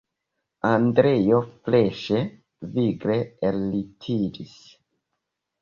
Andreo freŝe, vigle ellitiĝis.